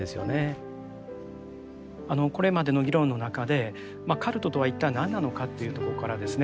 これまでの議論の中でカルトとは一体何なのかというとこからですね